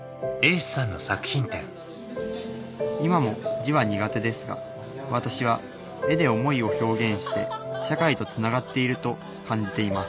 今も字は苦手ですが私は絵で思いを表現して社会とつながっていると感じています